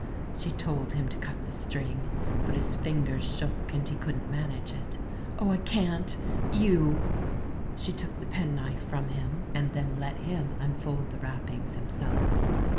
She told him to cut the string; but his fingers shook and he couldn't manage it. "Oh, I can't! ... You!" She took the penknife from him ; and then let 138 THE MAN WHO UNDERSTOOD WOMEN him unfold the wrappings himself.